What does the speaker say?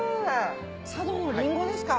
佐渡のリンゴですか？